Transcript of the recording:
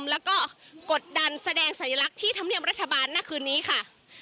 แล้วก็กดดันแสดงสัญลักษณ์ที่ธรรมเนียมรัฐบาลณคืนนี้ค่ะ